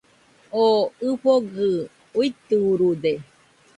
Oo ɨfogɨ uiturude